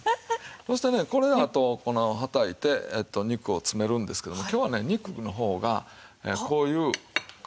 そしてねこれであと粉をはたいて肉を詰めるんですけども今日はね肉の方がこういう肩ロース塊肉を。